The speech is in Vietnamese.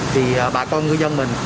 thì bà con người dân mình